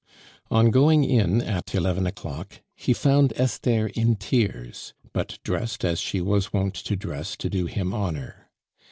On going in at eleven o'clock, he found Esther in tears, but dressed as she was wont to dress to do him honor.